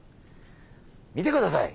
見てください！